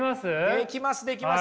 できますできます。